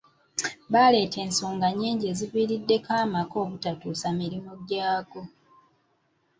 Baleeta ensonga nnyingi eziviiriddeko amaka obutatuusa mulimu gwago.